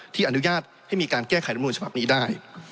ที่อนุญาตให้มีการแก้ไขรัฐมนตร์ฉบับนี้ได้